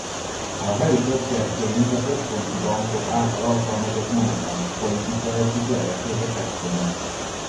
A helikopterpénz a központi bankok által alkalmazott monetáris politika egyik lehetséges eszköze.